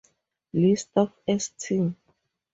List of St.